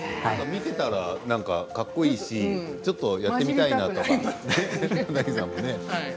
見ていたらかっこいいしちょっとやってみたいなというのが。